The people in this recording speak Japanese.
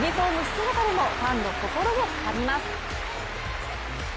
姿でもファンの心をつかみます。